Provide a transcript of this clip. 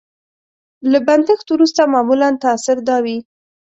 له بندښت وروسته معمولا تاثر دا وي.